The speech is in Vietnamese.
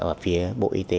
ở phía bộ y tế